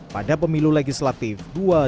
pada pemilu legislatif dua ribu dua puluh empat